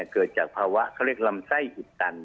เกิดจากภาวะเขาเรียกลำไส้อิดตัน